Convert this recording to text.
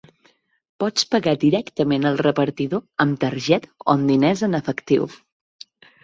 Pots pagar directament al repartidor amb targeta o amb diners en efectiu.